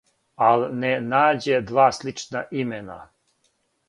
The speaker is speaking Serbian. Ал' не нађе два слична имена,